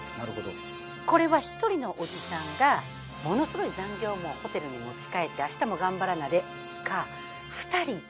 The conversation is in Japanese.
これは１人のオジさんがものすごい残業をホテルに持ち帰って明日も頑張らなか２人いて。